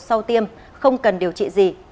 sau tiêm không cần điều trị gì